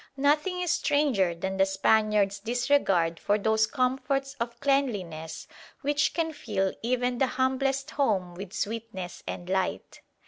Nothing is stranger than the Spaniard's disregard for those comforts of cleanliness which can fill even the humblest home with "sweetness and light."